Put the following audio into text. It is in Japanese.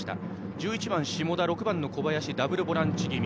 １１番、下田と６番の小林、ダブルボランチ気味。